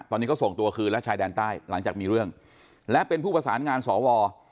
ตอนนี้ก็ส่งตัวคืนและชายแดนใต้หลังจากมีเรื่องและเป็นผู้ประสานงานสว